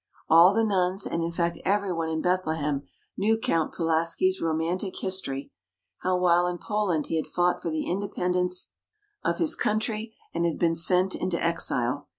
All the Nuns, and in fact every one in Bethlehem, knew Count Pulaski's romantic history, how while in Poland he had fought for the Independence of his Country, and had been sent into exile.